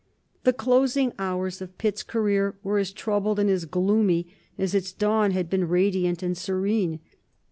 The closing hours of Pitt's career were as troubled and as gloomy as its dawn had been radiant and serene.